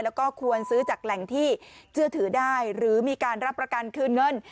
แล้วก็ควรซื้อจากแหล่งที่เชื่อถือได้หรือมีการรับประกันคืนเงิน